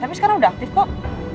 tapi sekarang udah aktif kok